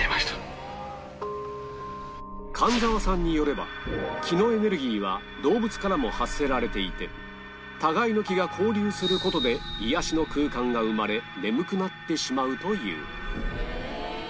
神沢さんによれば「気」のエネルギーは動物からも発せられていて互いの気が交流する事で癒やしの空間が生まれ眠くなってしまうという